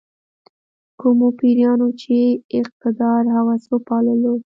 کومو پیریانو چې اقتدار هوس وپاللو.